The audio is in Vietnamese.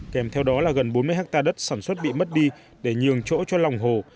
kèm theo đó là gần bốn mươi hectare đất sản xuất bị mất đi để nhường chỗ cho lòng hồ